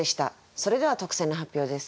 それでは特選の発表です。